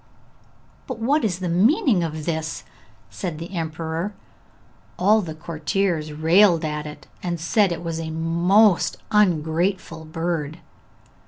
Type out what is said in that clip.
'But what is the meaning of this?' said the emperor. All the courtiers railed at it, and said it was a most ungrateful bird.